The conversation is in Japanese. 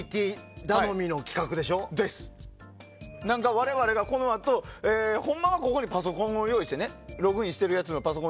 我々がこのあとほんまはここにパソコンを用意してログインしておいて。